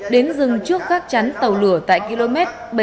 đến dừng trước gác chán tàu lửa tại km bảy trăm tám mươi chín năm trăm hai mươi bốn